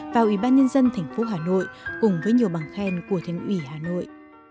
vào ủy ban nhân dân tp hà nội cùng với nhiều bằng khen của thành ủy hà nội